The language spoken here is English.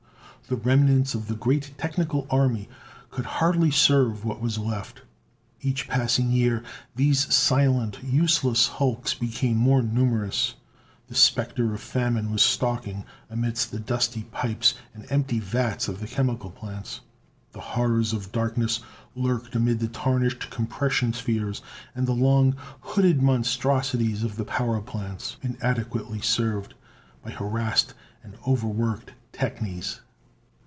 The remnants of the great technical army could hardly serve what was left. Each passing year these silent, useless hulks became more numerous. The specter of famine was stalking amid the dusty pipes and empty vats of the chemical plants; the horrors of darkness lurked amid the tarnished compression spheres and the long, hooded monstrosities of the power plants, inadequately served by harassed and overworked technies.